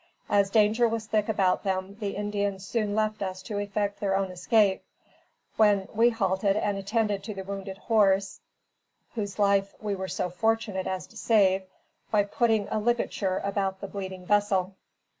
As danger was thick about them, the Indians soon left us to effect their own escape; when, we halted and attended to the wounded horse, whose life we were so fortunate as to save, by putting a ligature about the bleeding vessel.